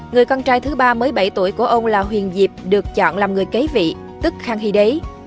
người con trai thứ ba mới bảy tuổi của ông là huyền diệp được chọn làm người kế vị tức khang hy đế